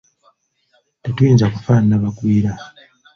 Tetuyinza kufaanana bagwira.